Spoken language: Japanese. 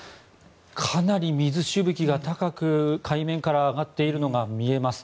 かなり水しぶきが高く海面から上がっているのが見えます。